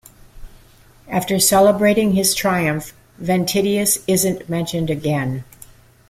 After celebrating his triumph, Ventidius isn't mentioned again.